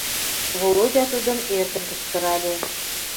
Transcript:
— Володя тудым эркын кычкырале.